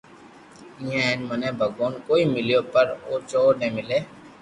ھين مني ڀگوان ڪوئي مليو پر آ چور ني ملي